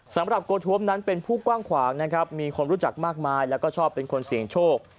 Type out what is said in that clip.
สำหรับโกท้วมนั้นเป็นผู้กว้างขวางนะครับมีคนรู้จักมากมายแล้วก็ชอบเป็นคนเสี่ยงโชค